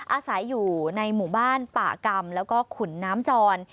อาศัยอยู่ในหมู่บ้านป่ากรรมแล้วก็ขุนน้ำจร